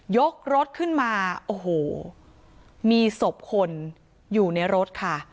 ยกรถขึ้นมาโอ้โหมีศพคนอยู่ในรถค่ะ